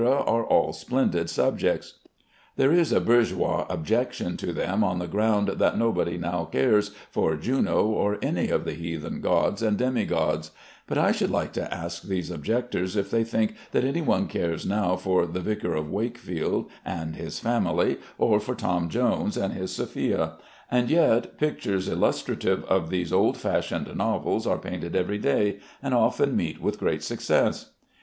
are all splendid subjects. There is a bourgeois objection to them on the ground that nobody now cares for Juno or any of the heathen gods and demi gods; but I should like to ask these objectors if they think that any one cares now for the "Vicar of Wakefield" and his family, or for "Tom Jones" and his Sophia, and yet pictures illustrative of these old fashioned novels are painted every day, and often meet with great success.